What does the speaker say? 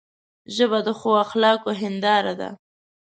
ژبه د ښو اخلاقو هنداره ده